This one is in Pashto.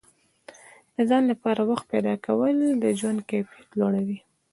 د ځان لپاره وخت پیدا کول د ژوند کیفیت لوړوي.